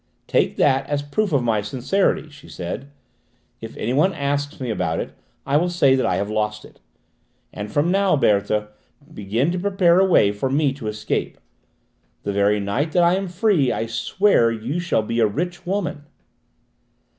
"Take that as proof of my sincerity," she said. "If anybody asks me about it I will say that I have lost it. And from now, Berthe, begin to prepare a way for me to escape! The very night that I am free I swear you shall be a rich woman!"